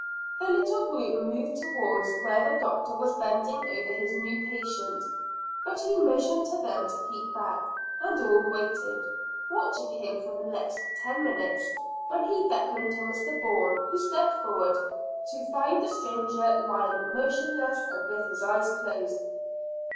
The little group moved towards where the doctor was bending over his new patient; but he motioned to them to keep back, and all waited, watching him for the next ten minutes, when he beckoned to Mr Bourne, who stepped forward, to find the stranger lying motionless and with his eyes closed.